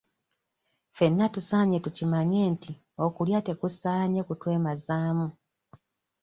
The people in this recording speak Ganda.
Ffenna tusaanye tukimanye nti okulya tekusaanye kutwemazaamu.